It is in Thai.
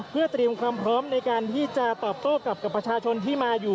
เพื่อเตรียมความพร้อมในการที่จะตอบโต้กับประชาชนที่มาอยู่